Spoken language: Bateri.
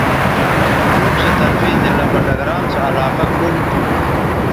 جنوب سو طرفے ضلع بٹگرام سو علاقہ کنڈ تھو